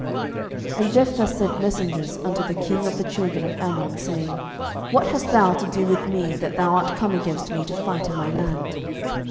07:011:012 And Jephthah sent messengers unto the king of the children of Ammon, saying, What hast thou to do with me, that thou art come against me to fight in my land?